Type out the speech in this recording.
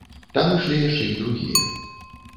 Там ішлі яшчэ й другія.